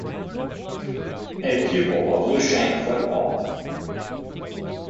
A pupil of Luhansk football.